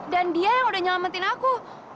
dia yang udah nyelamatin aku